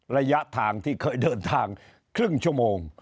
ระยะทางที่เคยเดินทางครึ่งชั่วโมง